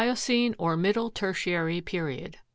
The Miocene, or middle tertiary period.